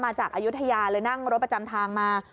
จากอายุทยาเลยนั่งรถประจำทางมา